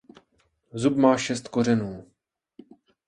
Zub má šest kořenů.